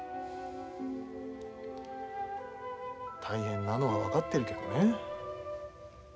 大変なのは分かってるけどね。